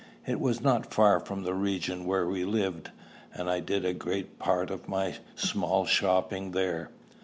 It was not far from the region where we lived, and I did a great part of my small shopping there.